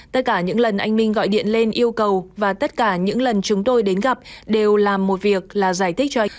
tất cả những lần anh minh gọi điện lên yêu cầu và tất cả những lần chúng tôi đến gặp đều làm một việc là giải thích cho anh